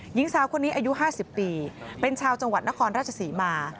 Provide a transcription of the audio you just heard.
หญิงสาวคนนี้อายุ๕๐ปีเป็นชาวจังหวัดนครราชศรีมา